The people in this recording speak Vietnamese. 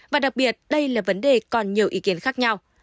và đặc biệt đây là vấn đề còn nhiều ý kiến khác nhau